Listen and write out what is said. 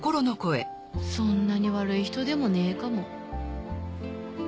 そんなに悪い人でもねえかも。